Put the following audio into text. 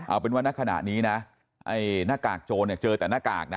เอาเป็นว่านักขณะนี้นะหน้ากากโจรเจอแต่หน้ากากนะ